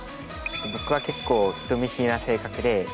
僕は結構人見知りな性格で。